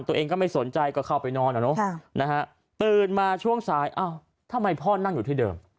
ตัวเองก็ไม่สนใจก็เข้าไปนอนตื่นมาช่วงสายทำไมพ่อนั่งอยู่ที่เดิม